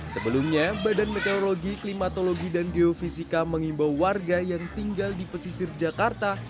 sebelumnya badan meteorologi klimatologi dan geofisika mengimbau warga yang tinggal di pesisir jakarta